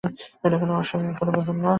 এটা কোনো অস্বাভাবিক ব্যাপার নয়।